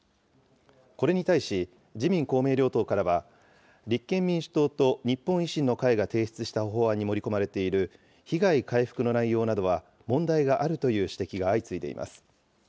これに対し、自民、公明両党からは、立憲民主党と日本維新の会が提出した法案に盛り込まれている被害回復の内容などは問題があるという指摘が相次いでいます。